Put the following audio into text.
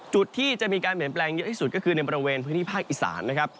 จุดที่จะมีการเปลี่ยนแปลงเยอะที่สุดก็คือในบริเวณพื้นที่ภาคอีสานนะครับ